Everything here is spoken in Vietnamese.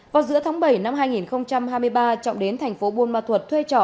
vào giữa tháng bảy năm hai nghìn hai mươi ba trọng đến thành phố buôn ma thuật thuê trọ